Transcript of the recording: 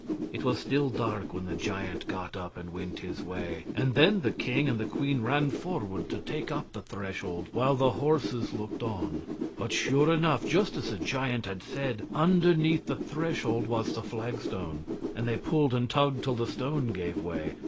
It was still dark when the giant got up and went his way, and then the king and the queen ran forward to take up the threshold, while the horses looked on. But sure enough! just as the giant had said, underneath the threshold was the flagstone, and they pulled and tugged till the stone gave way.